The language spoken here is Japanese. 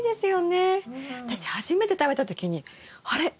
私初めて食べた時にあれ？